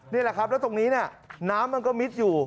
นี่แหละครับแล้วตรงนี้เนี่ยน้ำมันก็มิดอยู่